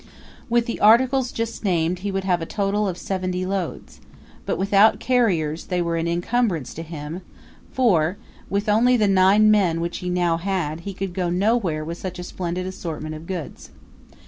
With the articles just named he would have a total of seventy loads, but without carriers they were an incumbrance to him; for, with only the nine men which he now had, he could go nowhere with such a splendid assortment of goods.